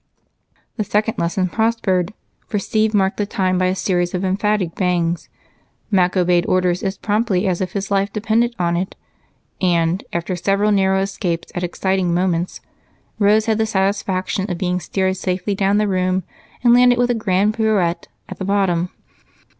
The second lesson prospered, for Steve marked the time by a series of emphatic bangs; Mac obeyed orders as promptly as if his life depended on it; and, after several narrow escapes at exciting moments, Rose had the satisfaction of being steered safely down the room and landed with a grand pirouette at the bottom.